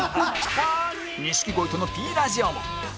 錦鯉との Ｐ ラジオも